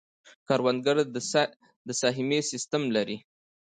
کروندګر د سهمیې سیستم لري.